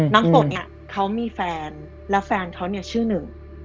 น้ำฝนเนี่ยเขามีแฟนแล้วแฟนเขาเนี่ยชื่อหนึ่ง